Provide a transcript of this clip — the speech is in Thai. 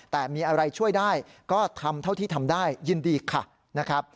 แต่มีอะไรช่วยได้ก็ทำเท่าที่ทำได้ยินดีค่ะนะครับ